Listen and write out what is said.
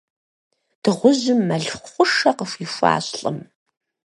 Дыгъужьым мэл хъушэ къыхуихуащ лӏым.